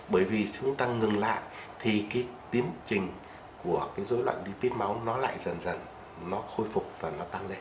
bởi vì chúng ta ngừng lại thì cái tiến trình của cái rối loạn lipid máu nó lại dần dần nó khôi phục và nó tăng lên